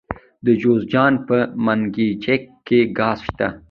د جوزجان په منګجیک کې ګاز شته.